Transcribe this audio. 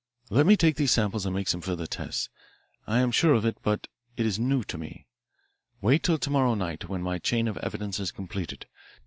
"Let me take these samples and make some further tests. I am sure of it, but it is new to me. Wait till to morrow night, when my chain of evidence is completed.